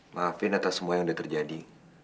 maafin atas semua yang sudah terjadi